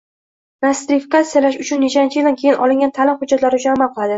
nostrifikatsiyalash uchun nechanchi yildan keyin olingan ta’lim hujjatlari uchun amal qiladi?